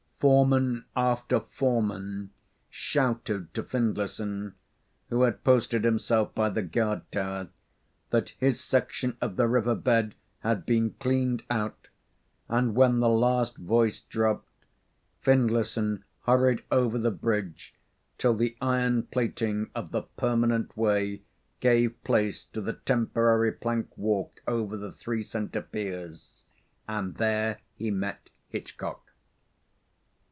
Foreman after foreman shouted to Findlayson, who had posted himself by the guard tower, that his section of the river bed had been cleaned out, and when the last voice dropped Findlayson hurried over the bridge till the iron plating of the permanent way gave place to the temporary plank walk over the three centre piers, and there he met Hitchcock.